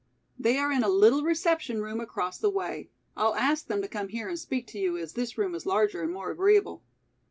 They are in a little reception room across the way. I'll ask them to come here and speak to you as this room is larger and more agreeable."